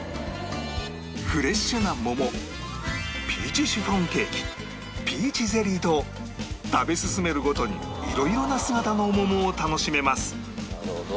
フレッシュな桃ピーチシフォンケーキピーチゼリーと食べ進めるごとに色々な姿の桃を楽しめます